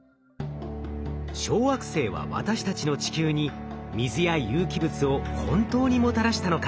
小惑星は私たちの地球に水や有機物を本当にもたらしたのか？